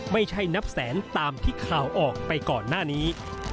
ไม่ใช่นับแสนตามที่ข่าวออกไปก่อนหน้านี้